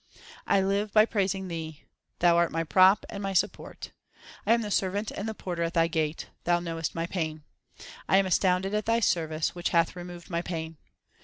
I live by praising Thee ; Thou art my prop and my support. I am the servant and the porter at Thy gate ; Thou knowest my pain. I am astounded at Thy service which hath removed my pain.